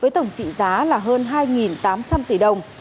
đó là hơn hai tám trăm linh tỷ đồng